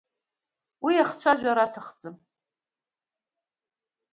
Уи ахцәажәара аҭахӡам.